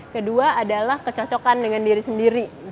kedua adalah kecocokan dengan diri sendiri